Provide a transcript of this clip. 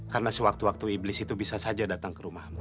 karena sewaktu waktu iblis itu bisa saja datang